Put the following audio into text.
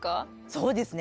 そうですね